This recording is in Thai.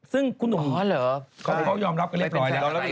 ซึ่งคุณหนุ่มเขายอมรับกันเรียบร้อยเนี่ย